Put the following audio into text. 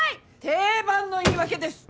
定番の言い訳です。